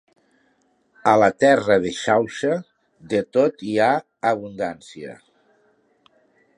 A la terra de Xauxa, de tot hi ha abundància.